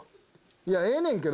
いやええねんけど